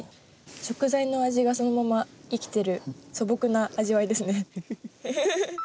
食材の味がそのまま生きてる素朴な味わいですね。